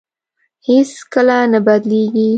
هېڅ کله نه بدلېږي.